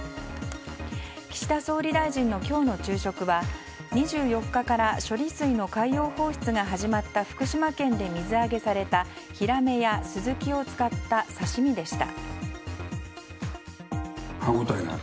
岸田総理大臣の今日の昼食は２４日から処理水の海洋放出が始まった福島県で水揚げされたヒラメやスズキを使った刺し身でした。